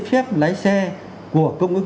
phép lái xe của công nghiệp